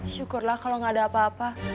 syukurlah kalau gak ada apa apa